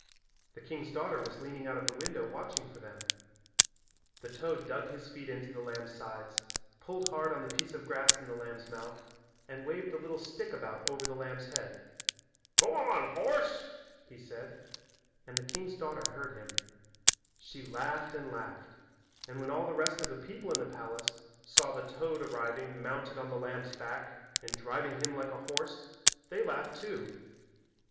The king's daughter was leaning out of the window watching for them. The toad dug his feet into the lamb's sides, pulled hard on the piece of the grass in the lamb's mouth and waved the little stick about over the lamb's head. "Go on, horse," he said and the king's daughter heard him. She laughed and laughed, and when all the rest of the people in the palace saw the toad arriving mounted on the lamb's back and driving him like a horse they laughed too.